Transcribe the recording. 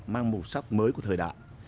mang màu sắc mới của thời đại